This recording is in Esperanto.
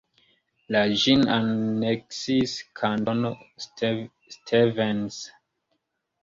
La ĝin aneksis Kantono Stevens.